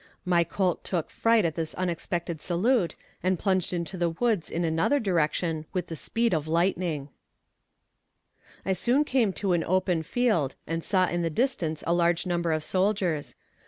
My colt took fright at this unexpected salute, and plunged into the woods in another direction with the speed of lightning. [Illustration: RIDING FOR LIFE. Page 217.] I soon came to an open field and saw in the distance a large number of soldiers.